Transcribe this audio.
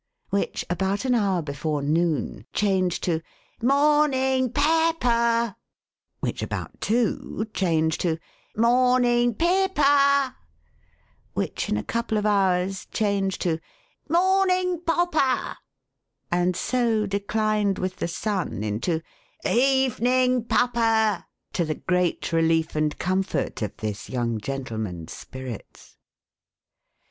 " which, about an hour before noon, changed to " Morn ing Pep per !" which, at about two, changed to " Morn ing Pip per !" which, in a couple of hours, changed to " Morn ing Pop per ! w and so declined with the sun into " Eve ning Pup per !" to the great relief and comfort of this young gentleman^s spirits.